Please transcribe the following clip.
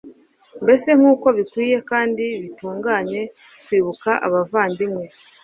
mbese nk'uko bikwiye kandi bitunganye kwibuka abavandimwe